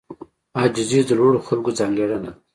عاجزي د لوړو خلکو ځانګړنه ده.